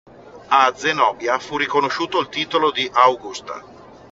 A Zenobia fu riconosciuto il titolo di "Augusta".